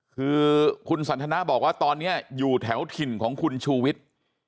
คือคุณสันทนาบอกว่าตอนนี้อยู่แถวถิ่นของคุณชูวิทย์